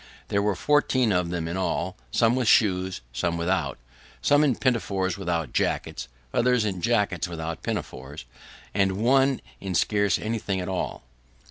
There were fourteen of them in all, some with shoes, some without; some in pinafores without jackets, others in jackets without pinafores, and one in scarce anything at all.